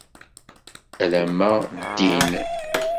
Alamma d din.